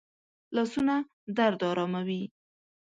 لاسونه درد آراموي